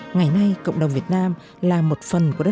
ngày nay cộng đồng việt nam là một phần của đất